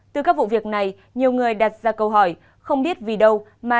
từ các vụ việc này nhiều người đặt ra câu hỏi không biết vì đâu mà